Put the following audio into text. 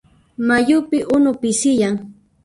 Mayupi unu pisiyan.